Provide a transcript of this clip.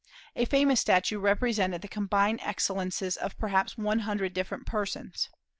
A famous statue represented the combined excellences of perhaps one hundred different persons.